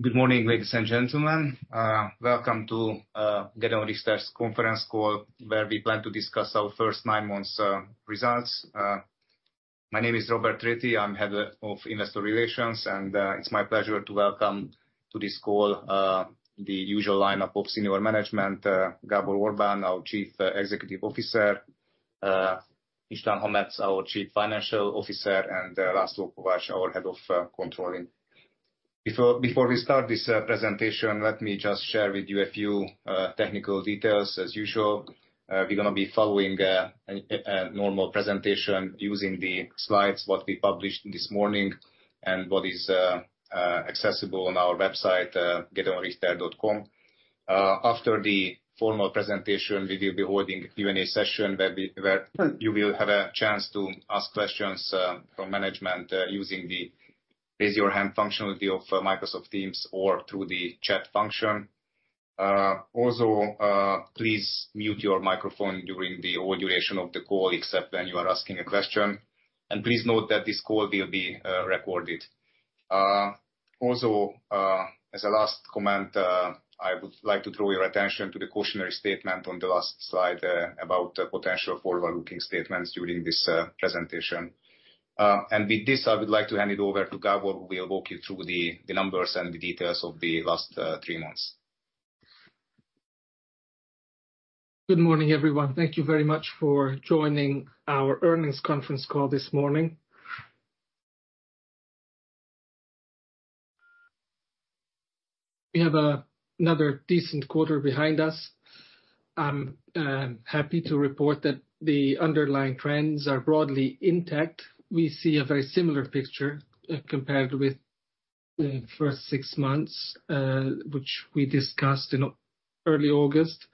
Good morning, ladies and gentlemen. Welcome to Gedeon Richter's conference call, where we plan to discuss our first nine months' results. My name is Róbert Réthy. I'm Head of Investor Relations, and it's my pleasure to welcome to this call the usual lineup of senior management: Gábor Orbán, our Chief Executive Officer; István Hamecz, our Chief Financial Officer; and László Kovács, our Head of Controlling. Before we start this presentation, let me just share with you a few technical details, as usual. We're going to be following a normal presentation using the slides that we published this morning and what is accessible on our website, gedeonrichter.com. After the formal presentation, we will be holding a Q&A session where you will have a chance to ask questions from management using the Raise Your Hand functionality of Microsoft Teams or through the chat function. Also, please mute your microphone during the whole duration of the call, except when you are asking a question. And please note that this call will be recorded. Also, as a last comment, I would like to draw your attention to the cautionary statement on the last slide about potential forward-looking statements during this presentation. And with this, I would like to hand it over to Gábor, who will walk you through the numbers and the details of the last three months. Good morning, everyone. Thank you very much for joining our earnings conference call this morning. We have another decent quarter behind us. I'm happy to report that the underlying trends are broadly intact. We see a very similar picture compared with the first six months, which we discussed in early August.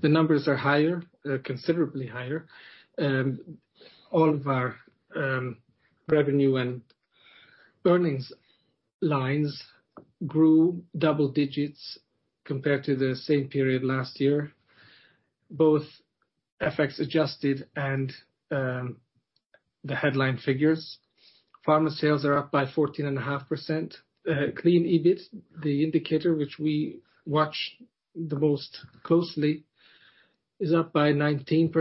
The numbers are higher, considerably higher. All of our revenue and earnings lines grew double digits compared to the same period last year, both FX adjusted and the headline figures. Pharma sales are up by 14.5%. Clean EBIT, the indicator which we watch the most closely, is up by 19%,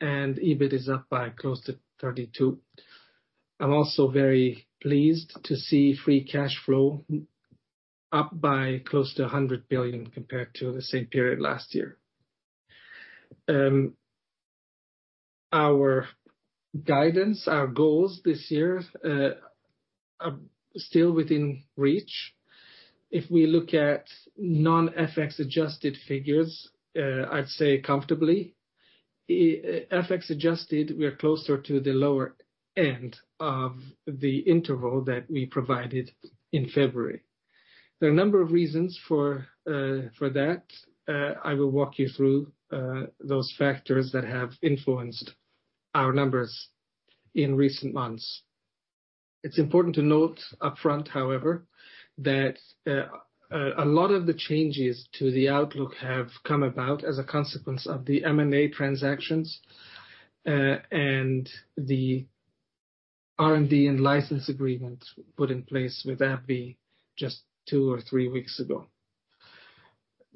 and EBIT is up by close to 32%. I'm also very pleased to see free cash flow up by close to 100 billion compared to the same period last year. Our guidance, our goals this year are still within reach. If we look at non-FX adjusted figures, I'd say comfortably FX adjusted, we are closer to the lower end of the interval that we provided in February. There are a number of reasons for that. I will walk you through those factors that have influenced our numbers in recent months. It's important to note upfront, however, that a lot of the changes to the outlook have come about as a consequence of the M&A transactions and the R&D and license agreements put in place with AbbVie just two or three weeks ago.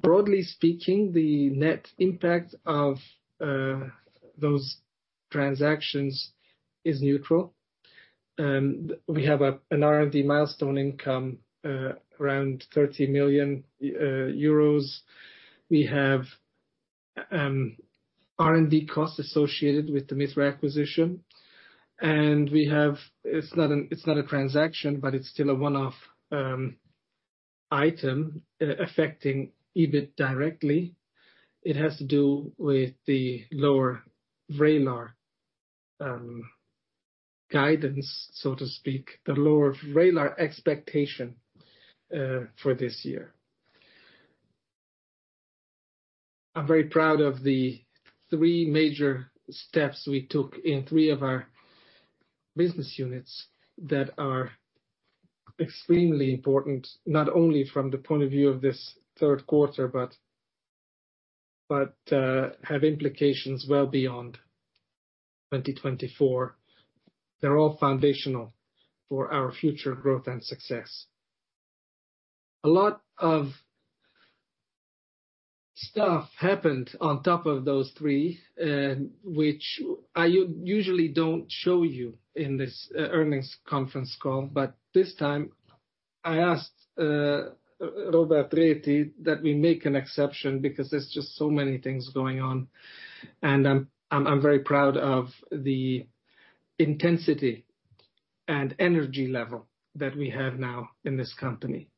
Broadly speaking, the net impact of those transactions is neutral. We have an R&D milestone income around 30 million euros. We have R&D costs associated with the Mithra acquisition. And we have. It's not a transaction, but it's still a one-off item affecting EBIT directly. It has to do with the lower Vraylar guidance, so to speak, the lower Vraylar expectation for this year. I'm very proud of the three major steps we took in three of our business units that are extremely important, not only from the point of view of this third quarter, but have implications well beyond 2024. They're all foundational for our future growth and success. A lot of stuff happened on top of those three, which I usually don't show you in this earnings conference call. But this time, I asked Róbert Réthy that we make an exception because there's just so many things going on. And I'm very proud of the intensity and energy level that we have now in this company.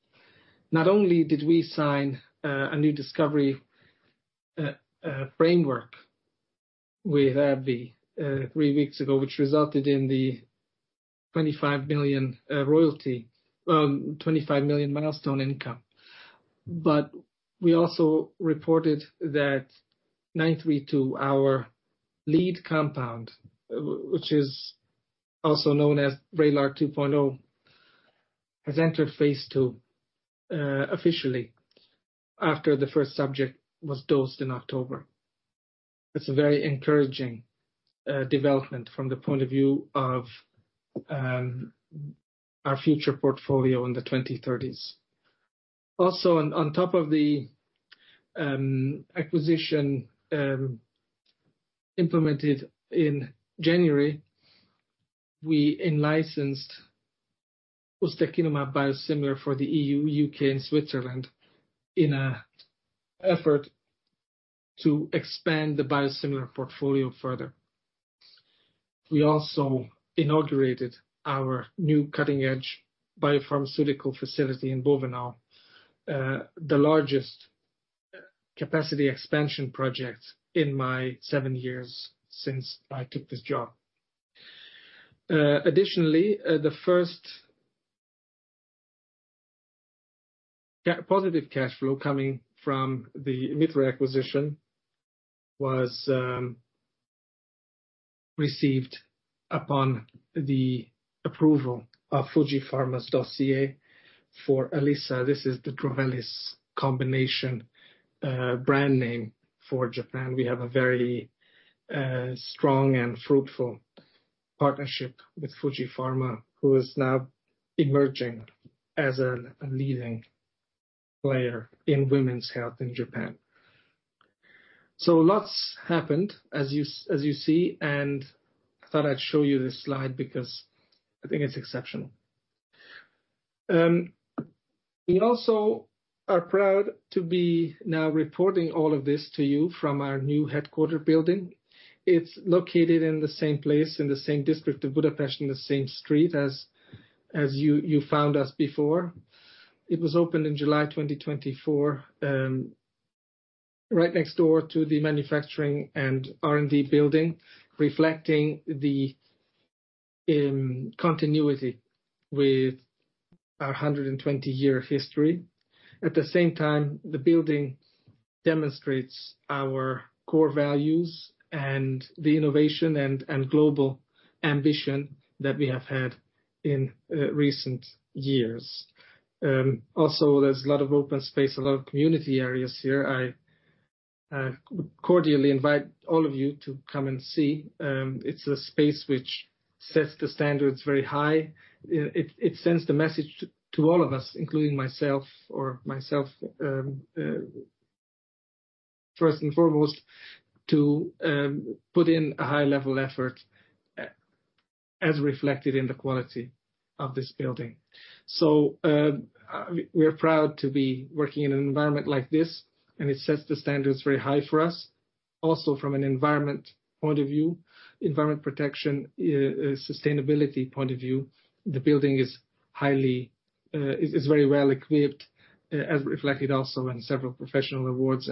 Not only did we sign a new discovery framework with AbbVie three weeks ago, which resulted in the $25 million royalty - well, $25 million milestone income. But we also reported that 932, our lead compound, which is also known as Vraylar 2.0, has entered Phase 2 officially after the first subject was dosed in October. That's a very encouraging development from the point of view of our future portfolio in the 2030s. Also, on top of the acquisition implemented in January, we licensed ustekinumab biosimilar for the EU, UK, and Switzerland in an effort to expand the biosimilar portfolio further. We also inaugurated our new cutting-edge biopharmaceutical facility in Budapest, the largest capacity expansion project in my seven years since I took this job. Additionally, the first positive cash flow coming from the Mithra acquisition was received upon the approval of Fuji Pharma's Alyssa. This is the Drovelis combination brand name for Japan. We have a very strong and fruitful partnership with Fuji Pharma, who is now emerging as a leading player in women's health in Japan. So lots happened, as you see. And I thought I'd show you this slide because I think it's exceptional. We also are proud to be now reporting all of this to you from our new headquarters building. It's located in the same place, in the same district of Budapest, in the same street as you found us before. It was opened in July 2024, right next door to the manufacturing and R&D building, reflecting the continuity with our 120-year history. At the same time, the building demonstrates our core values and the innovation and global ambition that we have had in recent years. Also, there's a lot of open space, a lot of community areas here. I cordially invite all of you to come and see. It's a space which sets the standards very high. It sends the message to all of us, including myself or myself first and foremost, to put in a high-level effort as reflected in the quality of this building. So we're proud to be working in an environment like this, and it sets the standards very high for us. Also, from an environment point of view, environment protection, sustainability point of view, the building is very well equipped, as reflected also in several professional awards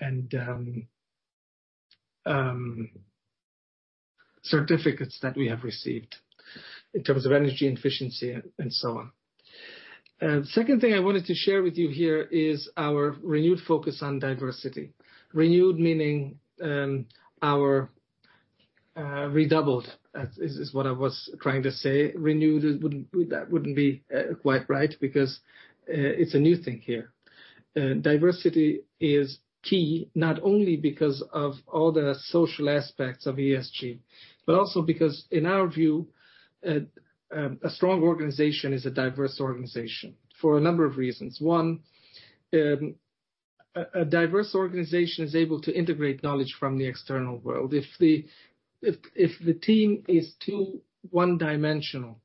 and certificates that we have received in terms of energy efficiency and so on. The second thing I wanted to share with you here is our renewed focus on diversity. Renewed meaning... or redoubled is what I was trying to say. Renewed wouldn't be quite right because it's a new thing here. Diversity is key not only because of all the social aspects of ESG, but also because, in our view, a strong organization is a diverse organization for a number of reasons. One, a diverse organization is able to integrate knowledge from the external world. If the team is too one-dimensional,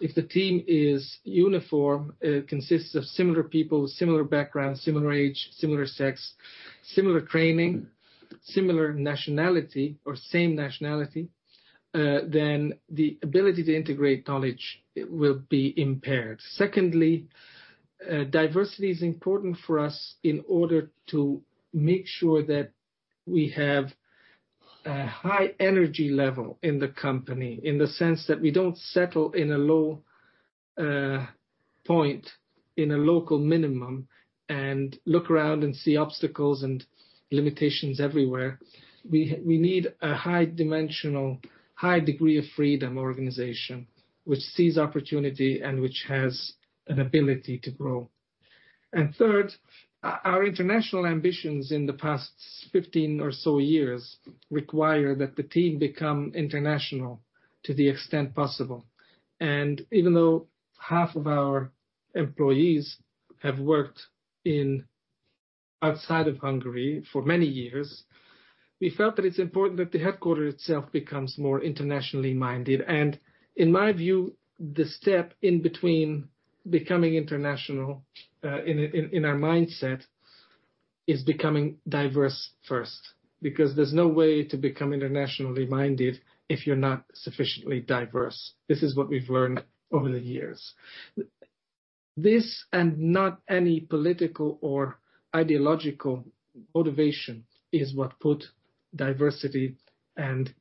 if the team is uniform, consists of similar people, similar backgrounds, similar age, similar sex, similar training, similar nationality, or same nationality, then the ability to integrate knowledge will be impaired. Secondly, diversity is important for us in order to make sure that we have a high energy level in the company in the sense that we don't settle in a low point, in a local minimum, and look around and see obstacles and limitations everywhere. We need a high degree of freedom organization which sees opportunity and which has an ability to grow. Third, our international ambitions in the past 15 or so years require that the team become international to the extent possible. And even though half of our employees have worked outside of Hungary for many years, we felt that it's important that the headquarters itself becomes more internationally minded. And in my view, the step in between becoming international in our mindset is becoming diverse first because there's no way to become internationally minded if you're not sufficiently diverse. This is what we've learned over the years. This and not any political or ideological motivation is what put diversity and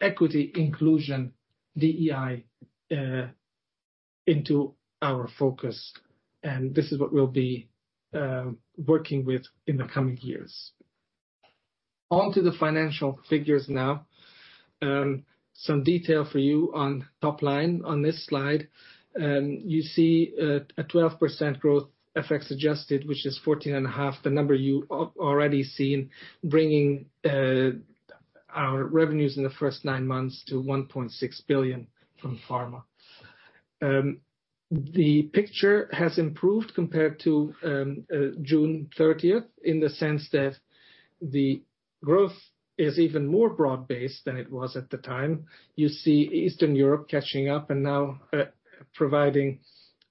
equity, inclusion, DEI into our focus. And this is what we'll be working with in the coming years. On to the financial figures now. Some detail for you on top line on this slide. You see a 12% growth, FX-adjusted, which is 14.5%, the number you've already seen, bringing our revenues in the first nine months to 1.6 billion from pharma. The picture has improved compared to June 30th in the sense that the growth is even more broad-based than it was at the time. You see Eastern Europe catching up and now providing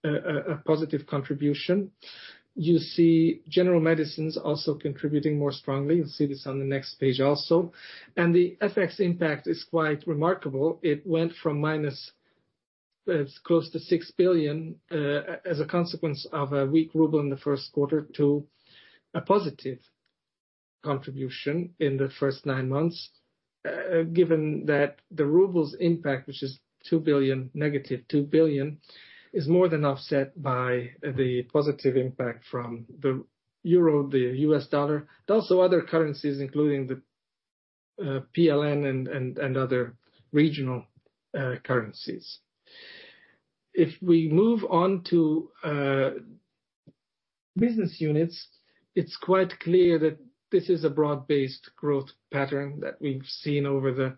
a positive contribution. You see General Medicines also contributing more strongly. You'll see this on the next page also. And the FX impact is quite remarkable. It went from minus close to 6 billion HUF as a consequence of a weak ruble in the first quarter to a positive contribution in the first nine months, given that the ruble's impact, which is - 2 billion, is more than offset by the positive impact from the euro, the U.S. dollar, and also other currencies, including the PLN and other regional currencies. If we move on to business units, it's quite clear that this is a broad-based growth pattern that we've seen over the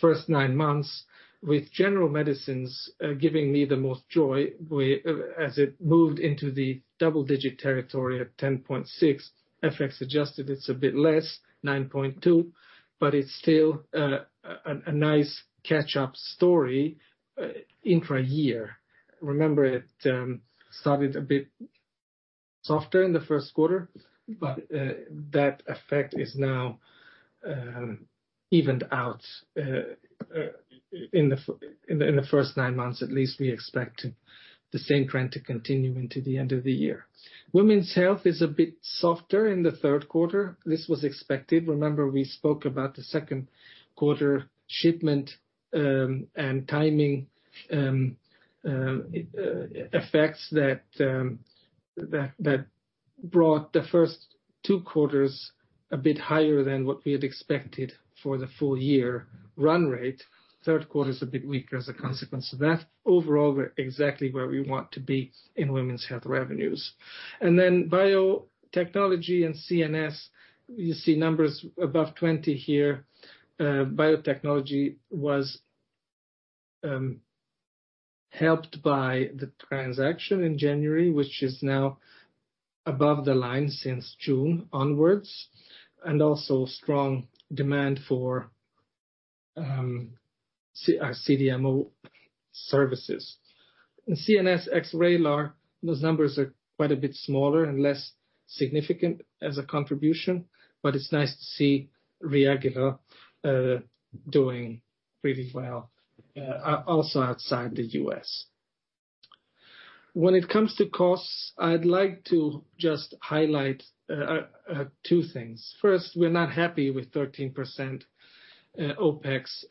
first nine months, with General Medicines giving me the most joy as it moved into the double-digit territory at 10.6%. FX-adjusted, it's a bit less, 9.2%, but it's still a nice catch-up story intra-year. Remember, it started a bit softer in the first quarter, but that effect is now evened out in the first nine months, at least we expect the same trend to continue into the end of the year. Women's Health is a bit softer in the third quarter. This was expected. Remember, we spoke about the second quarter shipment and timing effects that brought the first two quarters a bit higher than what we had expected for the full-year run rate. Third quarter is a bit weaker as a consequence of that. Overall, we're exactly where we want to be in Women's Health revenues. And then biotechnology and CNS, you see numbers above 20 here. Biotechnology was helped by the transaction in January, which is now above the line since June onwards, and also strong demand for CDMO services. In CNS, Vraylar, those numbers are quite a bit smaller and less significant as a contribution, but it's nice to see Reagila doing really well also outside the U.S. When it comes to costs, I'd like to just highlight two things. First, we're not happy with 13% OpEx.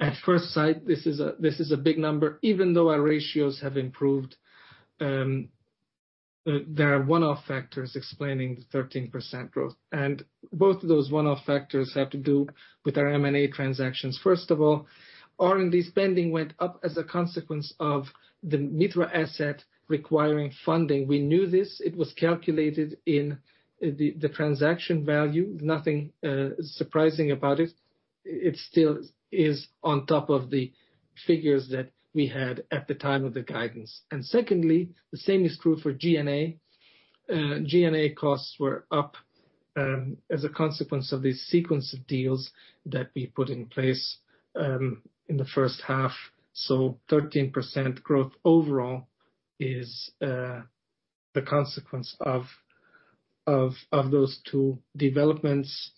At first sight, this is a big number. Even though our ratios have improved, there are one-off factors explaining the 13% growth, and both of those one-off factors have to do with our M&A transactions. First of all, R&D spending went up as a consequence of the Mithra asset requiring funding. We knew this. It was calculated in the transaction value. Nothing surprising about it. It still is on top of the figures that we had at the time of the guidance, and secondly, the same is true for G&A. G&A costs were up as a consequence of the sequence of deals that we put in place in the first half. So 13% growth overall is the consequence of those two developments.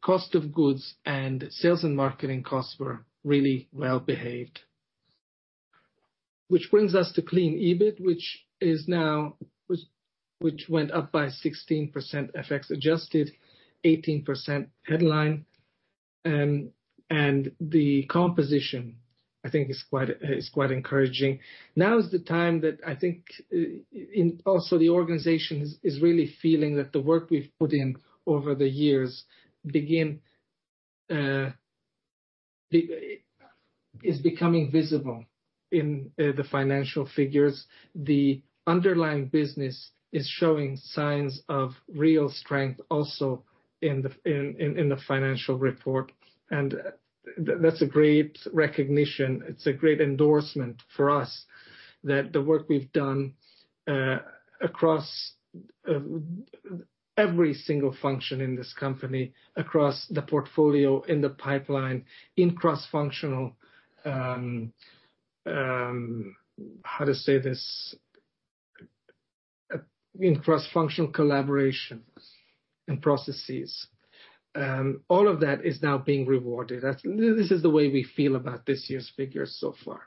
Cost of goods and sales and marketing costs were really well-behaved, which brings us to clean EBIT, which went up by 16% FX-adjusted, 18% headline. And the composition, I think, is quite encouraging. Now is the time that I think also the organization is really feeling that the work we've put in over the years is becoming visible in the financial figures. The underlying business is showing signs of real strength also in the financial report. And that's a great recognition. It's a great endorsement for us that the work we've done across every single function in this company, across the portfolio in the pipeline, in cross-functional, how to say this, in cross-functional collaboration and processes. All of that is now being rewarded. This is the way we feel about this year's figures so far.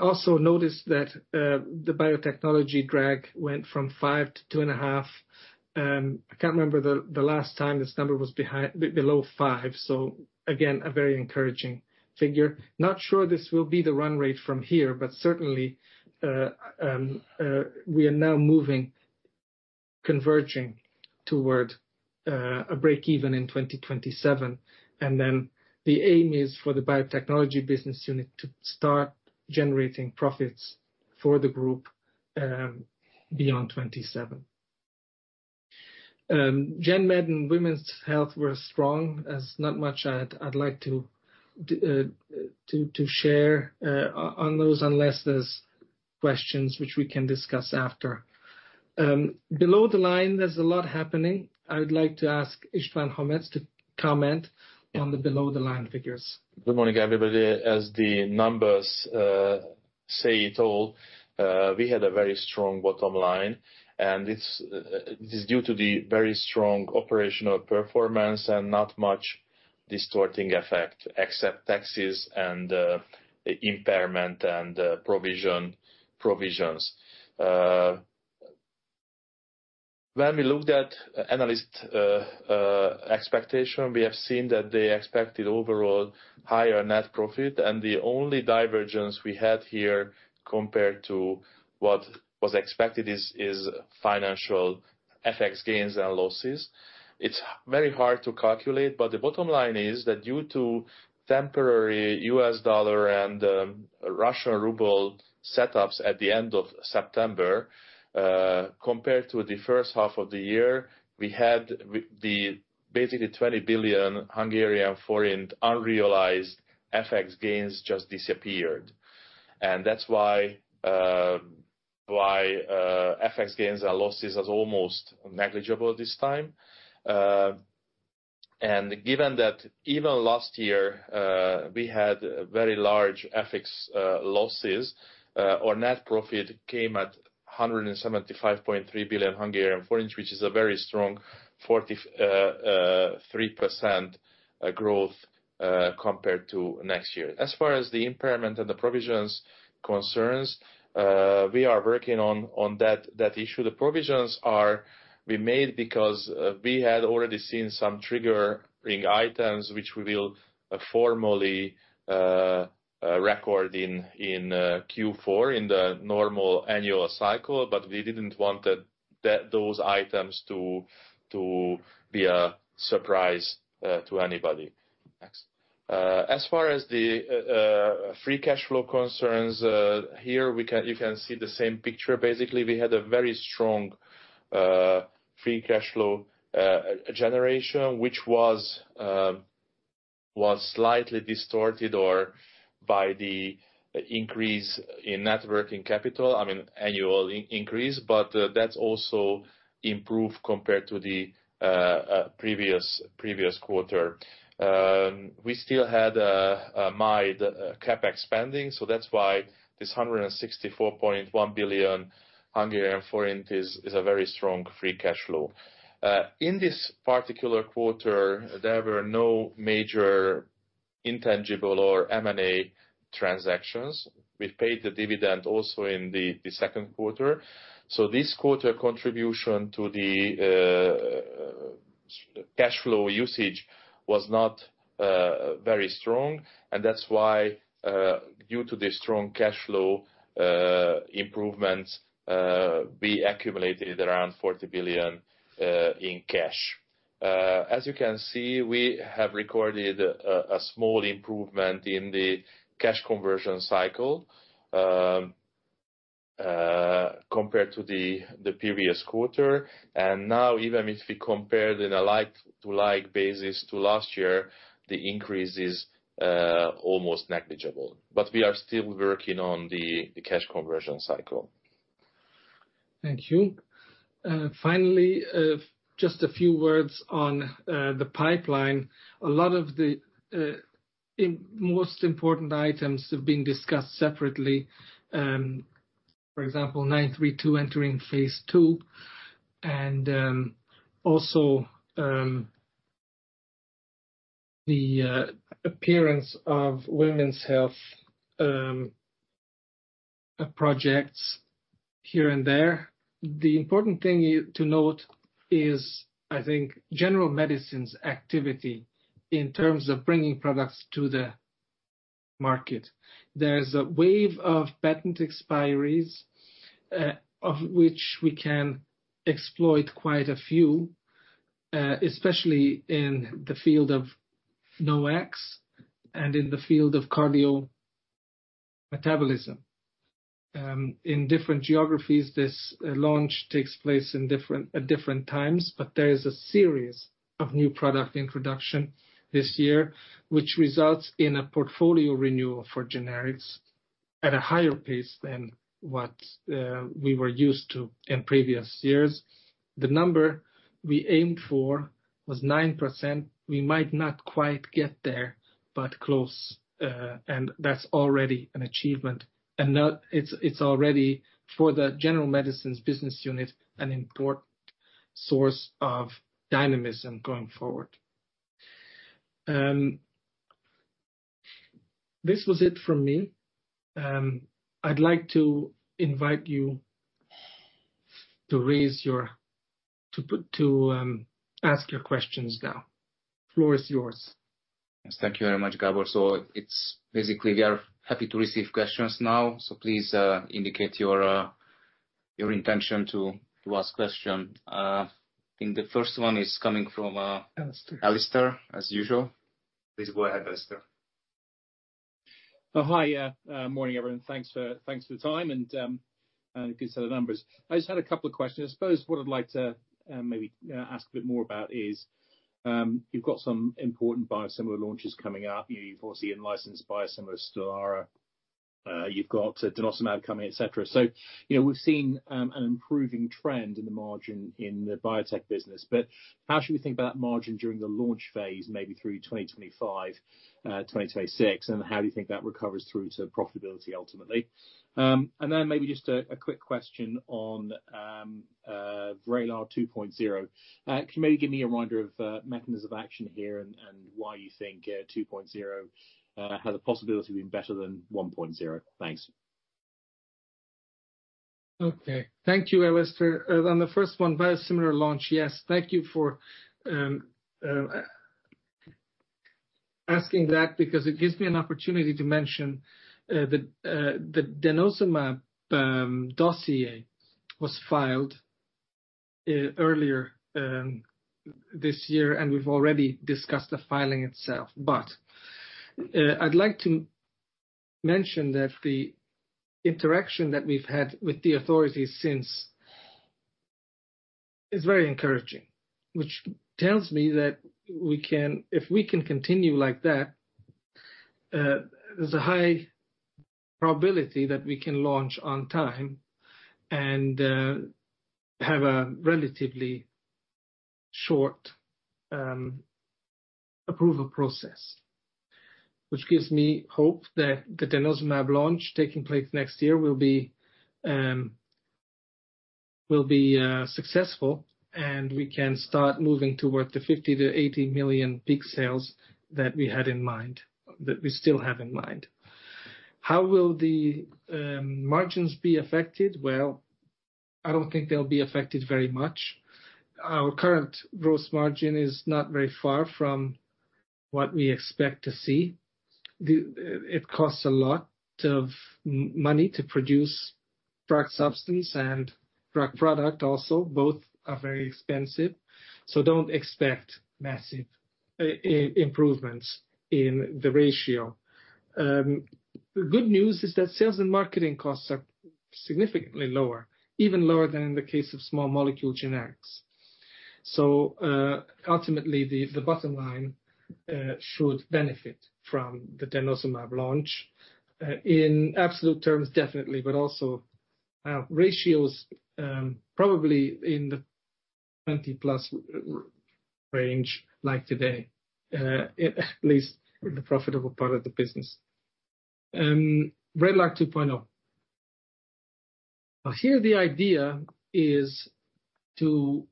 Also, notice that the biotechnology drag went from five to 2.5. I can't remember the last time this number was below five. So again, a very encouraging figure. Not sure this will be the run rate from here, but certainly we are now moving, converging toward a break-even in 2027, and then the aim is for the biotechnology business unit to start generating profits for the group beyond 2027. General Medicines, and Women's Health were strong, as not much I'd like to share on those unless there's questions which we can discuss after. Below the line, there's a lot happening. I would like to ask István Hamecz to comment on the below-the-line figures. Good morning, everybody. As the numbers say it all, we had a very strong bottom line. It's due to the very strong operational performance and not much distorting effect, except taxes and impairment and provisions. When we looked at analyst expectation, we have seen that they expected overall higher net profit. The only divergence we had here compared to what was expected is financial FX gains and losses. It's very hard to calculate, but the bottom line is that due to temporary U.S. dollar and Russian ruble setups at the end of September, compared to the first half of the year, we had basically 20 billion Hungarian forint unrealized FX gains just disappeared. That's why FX gains and losses are almost negligible this time. Given that even last year we had very large FX losses, our net profit came at 175.3 billion Hungarian forint, which is a very strong 43% growth compared to next year. As far as the impairment and the provisions concerns, we are working on that issue. The provisions are we made because we had already seen some triggering items, which we will formally record in Q4 in the normal annual cycle, but we didn't want those items to be a surprise to anybody. As far as the free cash flow concerns, here you can see the same picture. Basically, we had a very strong free cash flow generation, which was slightly distorted by the increase in net working capital. I mean, annual increase, but that's also improved compared to the previous quarter. We still had a mild CapEx spending, so that's why this 164.1 billion Hungarian forint is a very strong free cash flow. In this particular quarter, there were no major intangible or M&A transactions. We paid the dividend also in the second quarter. This quarter's contribution to the cash flow usage was not very strong. And that's why, due to the strong cash flow improvements, we accumulated around 40 billion HUF in cash. As you can see, we have recorded a small improvement in the cash conversion cycle compared to the previous quarter. And now, even if we compared on a like-for-like basis to last year, the increase is almost negligible. But we are still working on the cash conversion cycle. Thank you. Finally, just a few words on the pipeline. A lot of the most important items have been discussed separately. For example, RGH-932 entering Phase 2. And also the appearance of Women's Health projects here and there. The important thing to note is, I think, General Medicines' activity in terms of bringing products to the market. There's a wave of patent expiries of which we can exploit quite a few, especially in the field of NOACs and in the field of cardiometabolism. In different geographies, this launch takes place at different times, but there is a series of new product introductions this year, which results in a portfolio renewal for generics at a higher pace than what we were used to in previous years. The number we aimed for was 9%. We might not quite get there, but close. And that's already an achievement. And it's already, for the General Medicines business unit, an important source of dynamism going forward. This was it from me. I'd like to invite you to ask your questions now. Floor is yours. Thank you very much, Gábor. So basically, we are happy to receive questions now. So please indicate your intention to ask questions. I think the first one is coming from Alistair, as usual. Please go ahead, Alistair. Hi, morning, everyone. Thanks for the time and a good set of numbers. I just had a couple of questions. I suppose what I'd like to maybe ask a bit more about is you've got some important biosimilar launches coming up. You've obviously licensed biosimilar Stelara. You've got denosumab coming, etc. So we've seen an improving trend in the margin in the biotech business. But how should we think about that margin during the launch phase, maybe through 2025, 2026? And how do you think that recovers through to profitability, ultimately? And then maybe just a quick question on Vraylar 2.0. Can you maybe give me a reminder of mechanism of action here and why you think 2.0 has a possibility of being better than 1.0? Thanks. Okay. Thank you, Alistair. On the first one, biosimilar launch, yes. Thank you for asking that because it gives me an opportunity to mention that the denosumab dossier was filed earlier this year, and we've already discussed the filing itself. But I'd like to mention that the interaction that we've had with the authorities since is very encouraging, which tells me that if we can continue like that, there's a high probability that we can launch on time and have a relatively short approval process, which gives me hope that the denosumab launch taking place next year will be successful and we can start moving toward the $50 million to $80 million peak sales that we had in mind, that we still have in mind. How will the margins be affected? Well, I don't think they'll be affected very much. Our current gross margin is not very far from what we expect to see. It costs a lot of money to produce drug substance and drug product also. Both are very expensive. So don't expect massive improvements in the ratio. The good news is that sales and marketing costs are significantly lower, even lower than in the case of small molecule generics. So ultimately, the bottom line should benefit from the denosumab launch. In absolute terms, definitely, but also ratios probably in the 20-plus range like today, at least in the profitable part of the business. Vraylar 2.0. Now here, the idea is to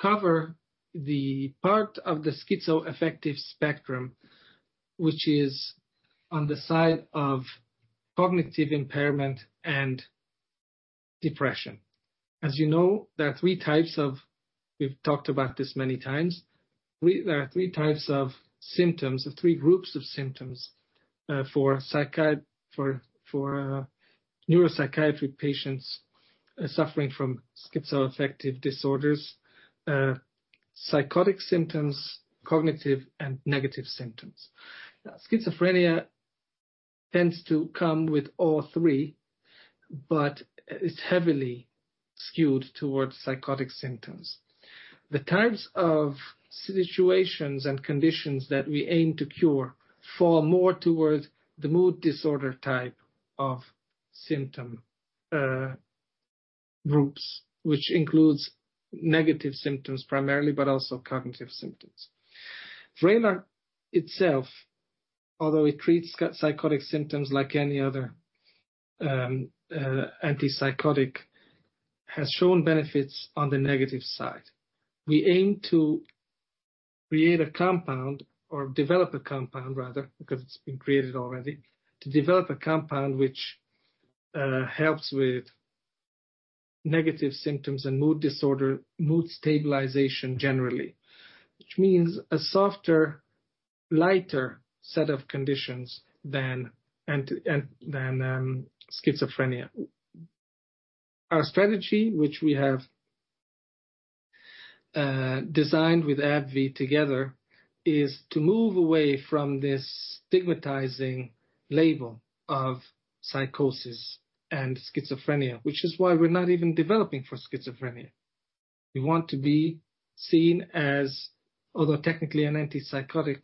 cover the part of the schizoaffective spectrum, which is on the side of cognitive impairment and depression. As you know, there are three types of—we've talked about this many times—there are three types of symptoms, three groups of symptoms for neuropsychiatric patients suffering from schizoaffective disorders: psychotic symptoms, cognitive, and negative symptoms. Schizophrenia tends to come with all three, but it's heavily skewed towards psychotic symptoms. The types of situations and conditions that we aim to cure fall more towards the mood disorder type of symptom groups, which includes negative symptoms primarily, but also cognitive symptoms. Vraylar itself, although it treats psychotic symptoms like any other antipsychotic, has shown benefits on the negative side. We aim to create a compound, or develop a compound, rather, because it's been created already, to develop a compound which helps with negative symptoms and mood disorder, mood stabilization generally, which means a softer, lighter set of conditions than schizophrenia. Our strategy, which we have designed with AbbVie together, is to move away from this stigmatizing label of psychosis and schizophrenia, which is why we're not even developing for schizophrenia. We want to be seen as, although technically an antipsychotic,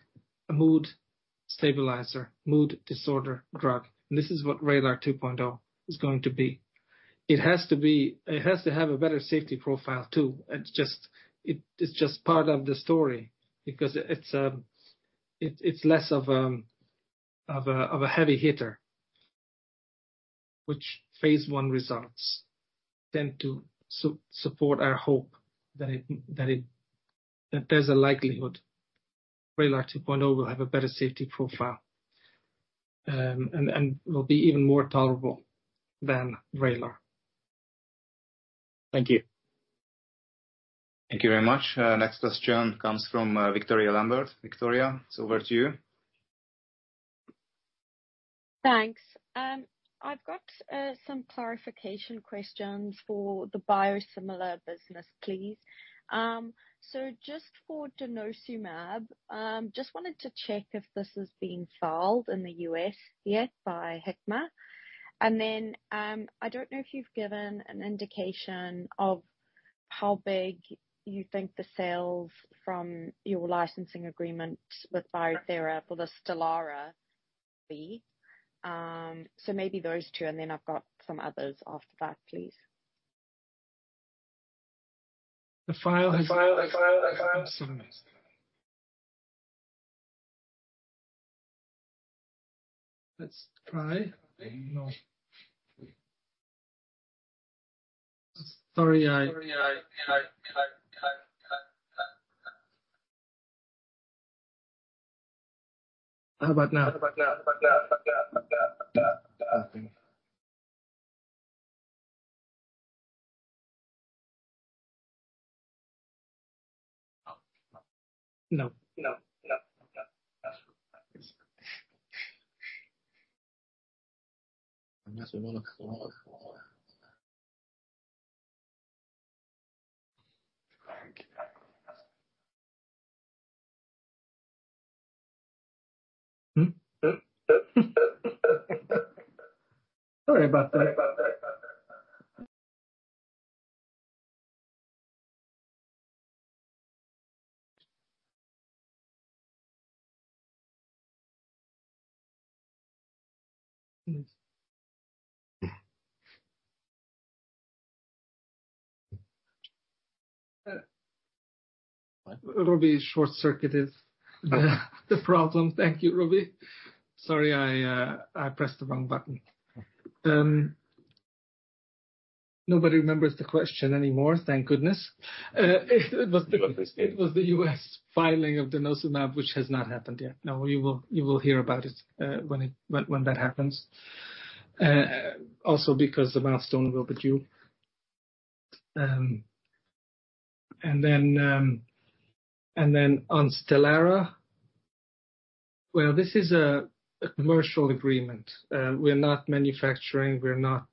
a mood stabilizer, mood disorder drug. This is what Vraylar 2.0 is going to be. It has to have a better safety profile too. It's just part of the story because it's less of a heavy hitter. Which phase 1 results tend to support our hope that there's a likelihood Vraylar 2.0 will have a better safety profile and will be even more tolerable than Vraylar. Thank you. Thank you very much. Next question comes from Victoria Lambert. Victoria, it's over to you. Thanks. I've got some clarification questions for the biosimilar business, please. So just for Denosumab, just wanted to check if this has been filed in the U.S. yet by Hikma. And then I don't know if you've given an indication of how big you think the sales from your licensing agreement with Bio-Thera for the Stelara will be. So maybe those two. And then I've got some others after that, please. Nobody remembers the question anymore. Thank goodness. It was the U.S. filing of denosumab, which has not happened yet. No, you will hear about it when that happens. Also because the milestone will be due. And then on Stelara, well, this is a commercial agreement. We're not manufacturing. We're not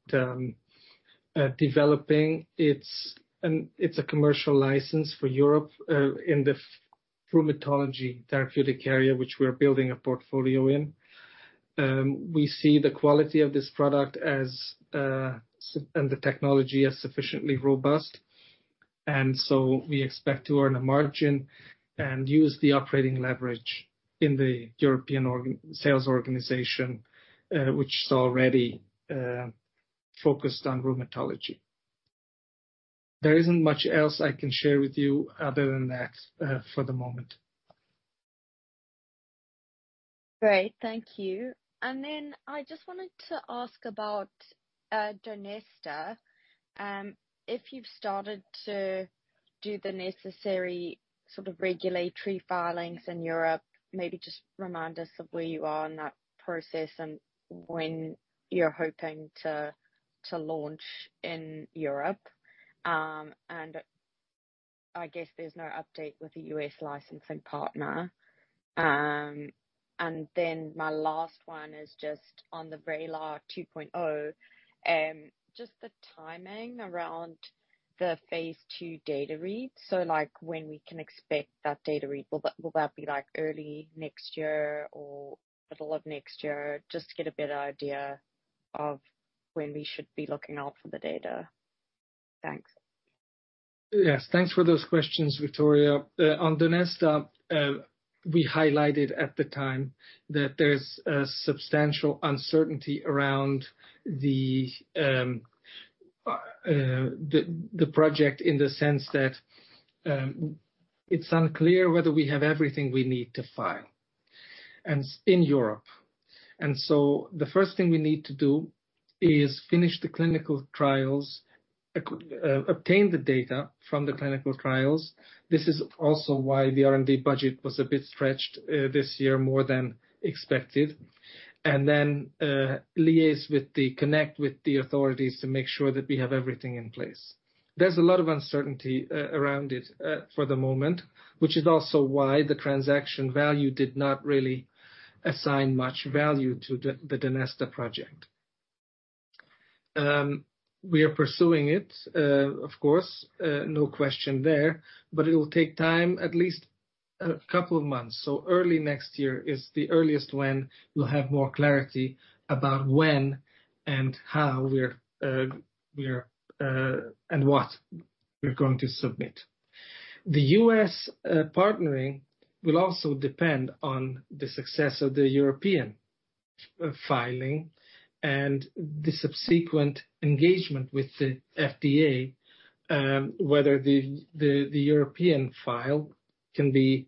developing. It's a commercial license for Europe in the rheumatology therapeutic area, which we're building a portfolio in. We see the quality of this product and the technology as sufficiently robust. And so we expect to earn a margin and use the operating leverage in the European sales organization, which is already focused on rheumatology. There isn't much else I can share with you other than that for the moment. Great. Thank you. And then I just wanted to ask about Donesta. If you've started to do the necessary sort of regulatory filings in Europe, maybe just remind us of where you are in that process and when you're hoping to launch in Europe. And I guess there's no update with the U.S. licensing partner. And then my last one is just on the Vraylar 2.0, just the timing around the phase 2 data read. So when we can expect that data read, will that be early next year or middle of next year? Just to get a better idea of when we should be looking out for the data. Thanks. Yes. Thanks for those questions, Victoria. On Donesta, we highlighted at the time that there's substantial uncertainty around the project in the sense that it's unclear whether we have everything we need to file in Europe. The first thing we need to do is finish the clinical trials, obtain the data from the clinical trials. This is also why the R&D budget was a bit stretched this year more than expected. Then liaise with the authorities to make sure that we have everything in place. There's a lot of uncertainty around it for the moment, which is also why the transaction value did not really assign much value to the Donesta project. We are pursuing it, of course. No question there. It will take time, at least a couple of months. Early next year is the earliest when we'll have more clarity about when and how and what we're going to submit. The U.S. partnering will also depend on the success of the European filing and the subsequent engagement with the FDA, whether the European file can be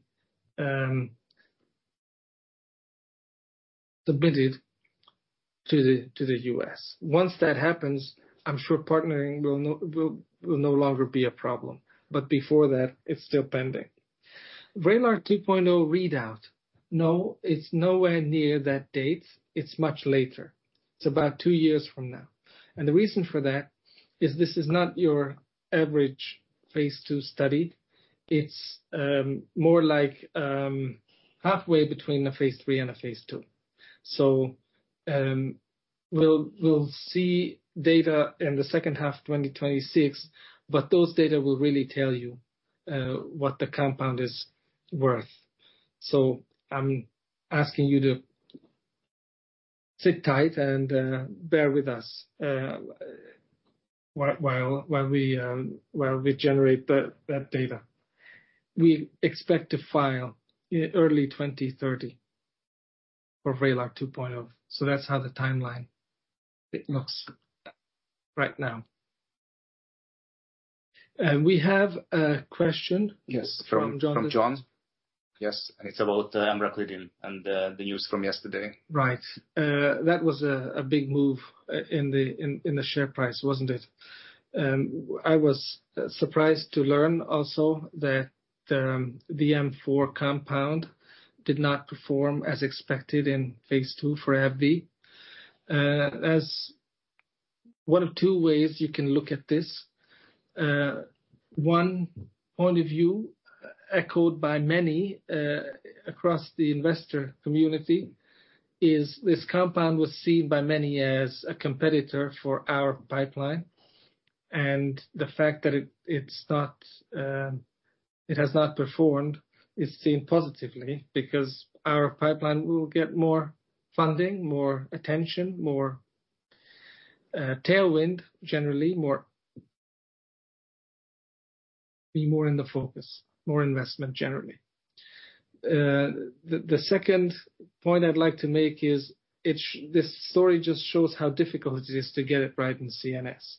submitted to the U.S. Once that happens, I'm sure partnering will no longer be a problem. But before that, it's still pending. Vraylar 2.0 readout, no, it's nowhere near that date. It's much later. It's about two years from now. And the reason for that is this is not your average phase 2 study. It's more like halfway between a phase 3 and a phase 2. So we'll see data in the second half of 2026, but those data will really tell you what the compound is worth. So I'm asking you to sit tight and bear with us while we generate that data. We expect to file early 2030 for Vraylar 2.0. So that's how the timeline looks right now. And we have a question from John. Yes. And it's about emraclidine and the news from yesterday. Right. That was a big move in the share price, wasn't it? I was surprised to learn also that the M4 compound did not perform as expected in phase 2 for AbbVie. One of two ways you can look at this. One point of view echoed by many across the investor community is this compound was seen by many as a competitor for our pipeline. And the fact that it has not performed is seen positively because our pipeline will get more funding, more attention, more tailwind, generally, more in the focus, more investment, generally. The second point I'd like to make is this story just shows how difficult it is to get it right in CNS.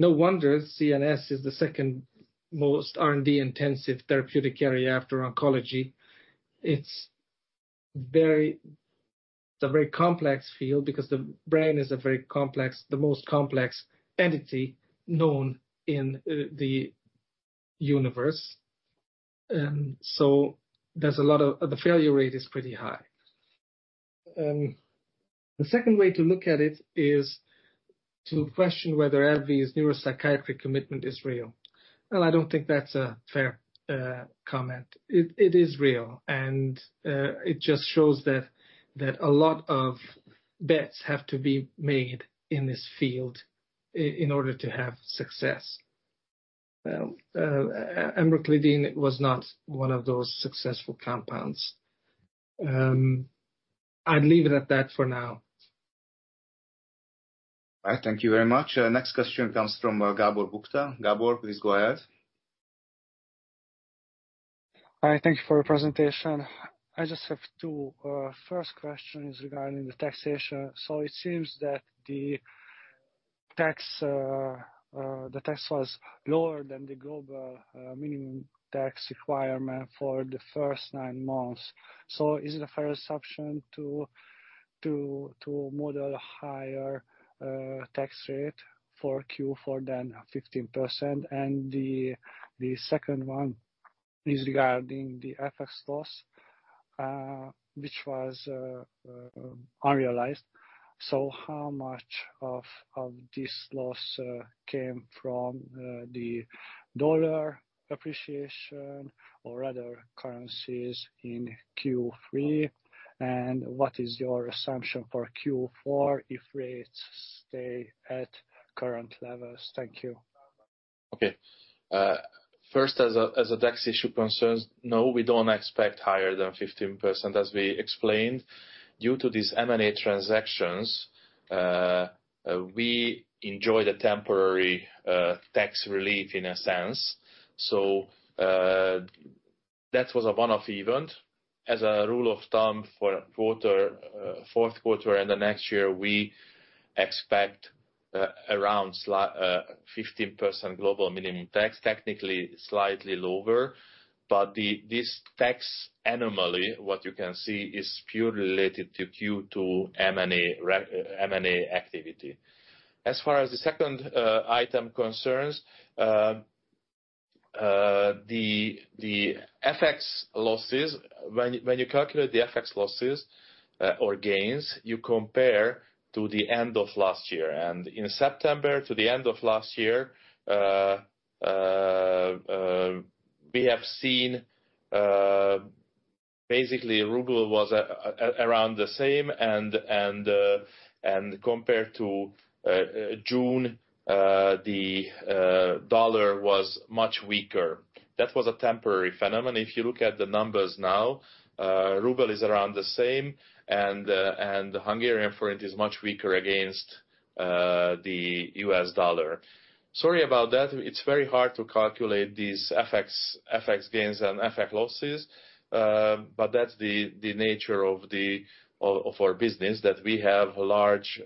No wonder CNS is the second most R&D intensive therapeutic area after oncology. It's a very complex field because the brain is a very complex, the most complex entity known in the universe. And so there's a lot of the failure rate is pretty high. The second way to look at it is to question whether AbbVie's neuropsychiatric commitment is real. Well, I don't think that's a fair comment. It is real. And it just shows that a lot of bets have to be made in this field in order to have success. emraclidine was not one of those successful compounds. I'd leave it at that for now. All right. Thank you very much. Next question comes from Gábor Buchter. Gábor, please go ahead. Hi. Thank you for your presentation. I just have two first questions regarding the taxation. So it seems that the tax was lower than the global minimum tax requirement for the first nine months. So is it a fair assumption to model a higher tax rate for Q4 than 15%? And the second one is regarding the FX loss, which was unrealized. So how much of this loss came from the dollar appreciation or other currencies in Q3? And what is your assumption for Q4 if rates stay at current levels? Thank you. Okay. First, as a tax issue concerns, no, we don't expect higher than 15%, as we explained. Due to these M&A transactions, we enjoyed a temporary tax relief in a sense. So that was a one-off event. As a rule of thumb for fourth quarter and the next year, we expect around 15% global minimum tax, technically slightly lower. But this tax anomaly, what you can see, is purely related to Q2 M&A activity. As far as the second item concerns, the FX losses, when you calculate the FX losses or gains, you compare to the end of last year. In September, to the end of last year, we have seen basically ruble was around the same. Compared to June, the dollar was much weaker. That was a temporary phenomenon. If you look at the numbers now, ruble is around the same. The Hungarian forint is much weaker against the U.S. dollar. Sorry about that. It's very hard to calculate these FX gains and FX losses. That's the nature of our business, that we have large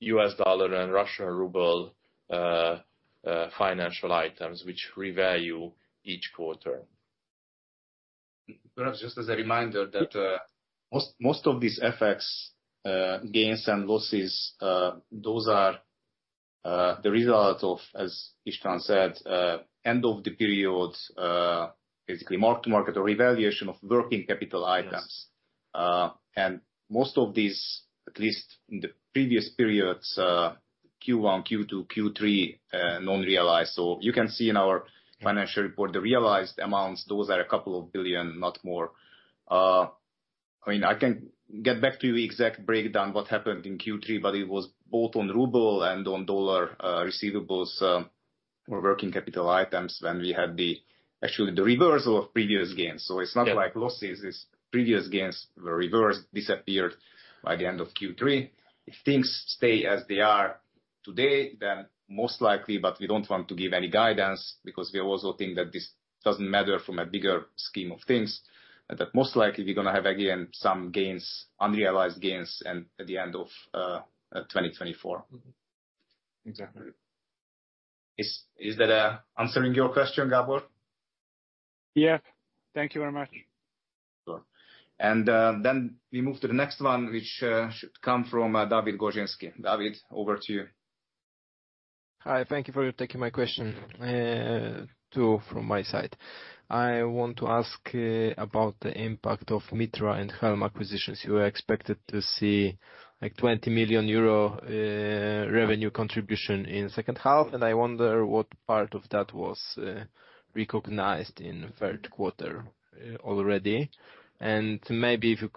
U.S. dollar and Russian ruble financial items, which revalue each quarter. Perhaps just as a reminder that most of these FX gains and losses, those are the result of, as István said, end-of-the-period, basically mark-to-market or valuation of working capital items. Most of these, at least in the previous periods, Q1, Q2, Q3, unrealized. So you can see in our financial report, the realized amounts, those are a couple of billion, not more. I mean, I can get back to you exact breakdown, what happened in Q3, but it was both on ruble and on dollar receivables or working capital items when we had actually the reversal of previous gains. So it's not like losses. Previous gains were reversed, disappeared by the end of Q3. If things stay as they are today, then most likely, but we don't want to give any guidance because we also think that this doesn't matter from a bigger scheme of things, that most likely we're going to have, again, some gains, unrealized gains, and at the end of 2024. Exactly. Is that answering your question, Gábor? Yes. Thank you very much. Sure. Then we move to the next one, which should come from David Gorzynski. David, over to you. Hi. Thank you for taking my question from my side. I want to ask about the impact of Mithra and Helm acquisitions. You were expected to see a 20 million euro revenue contribution in the second half. I wonder what part of that was recognized in the third quarter already. Maybe if you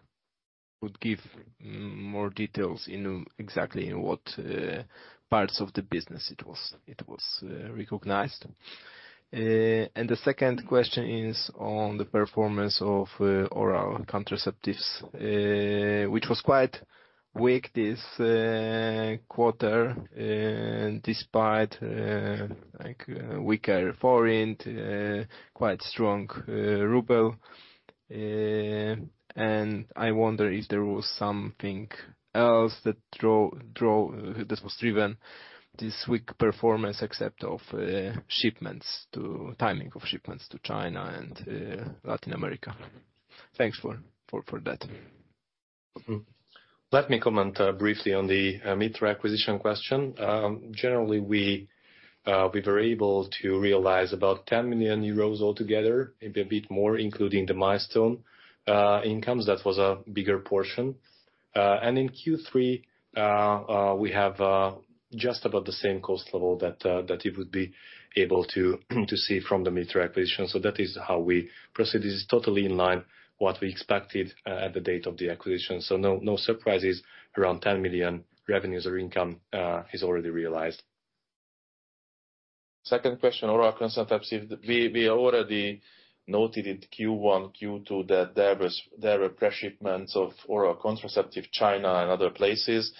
could give more details exactly in what parts of the business it was recognized. The second question is on the performance of oral contraceptives, which was quite weak this quarter despite weaker forint, quite strong ruble. I wonder if there was something else that was driving this weak performance except for timing of shipments to China and Latin America. Thanks for that. Let me comment briefly on the Mithra acquisition question. Generally, we were able to realize about 10 million euros altogether, maybe a bit more, including the milestone incomes. That was a bigger portion. In Q3, we have just about the same cost level that you would be able to see from the Mithra acquisition, so that is how we proceed. This is totally in line with what we expected at the date of the acquisition. No surprises, around 10 million revenues or income is already realized. Second question, oral contraceptives. We already noted in Q1, Q2 that there were pre-shipment of oral contraceptives to China and other places.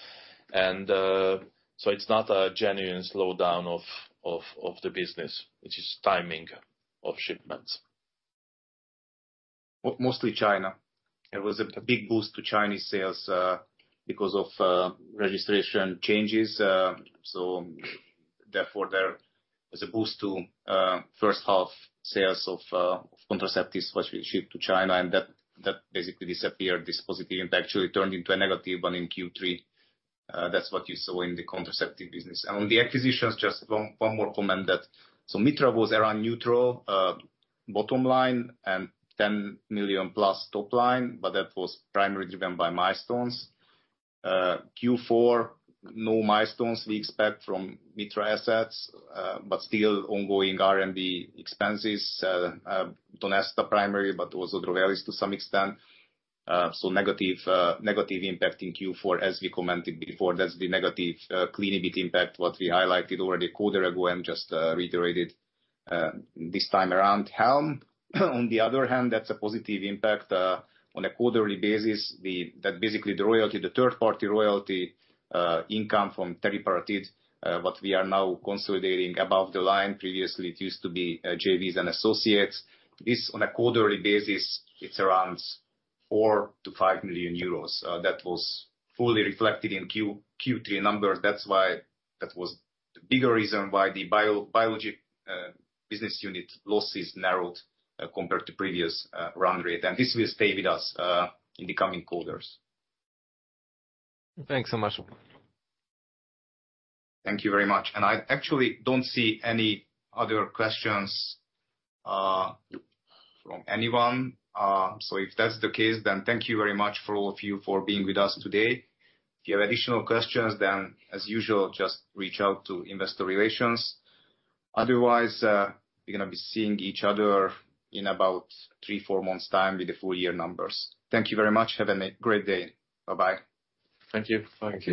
It's not a genuine slowdown of the business. It is timing of shipments. Mostly China. There was a big boost to Chinese sales because of registration changes. Therefore, there was a boost to first-half sales of contraceptives which we shipped to China. And that basically disappeared, this positive impact. It actually turned into a negative one in Q3. That's what you saw in the contraceptive business. And on the acquisitions, just one more comment, that so Mithra was around neutral bottom line and 10 million plus top line, but that was primarily driven by milestones. Q4, no milestones we expect from Mithra assets, but still ongoing R&D expenses, Donesta primarily, but also Drovelis to some extent. So negative impact in Q4, as we commented before. That's the negative clinical impact what we highlighted already a quarter ago and just reiterated this time around. Helm, on the other hand, that's a positive impact on a quarterly basis. That basically the third-party royalty income from teriparatide, what we are now consolidating above the line. Previously, it used to be JVs and associates. On a quarterly basis, it's around 4 million to 5 million euros. That was fully reflected in Q3 numbers. That's why that was the bigger reason why the biologics business unit losses narrowed compared to previous run rate. And this will stay with us in the coming quarters. Thanks so much. Thank you very much. And I actually don't see any other questions from anyone. So if that's the case, then thank you very much for all of you for being with us today. If you have additional questions, then as usual, just reach out to Investor Relations. Otherwise, we're going to be seeing each other in about three, four months' time with the full year numbers. Thank you very much. Have a great day. Bye-bye. Thank you. Thank you.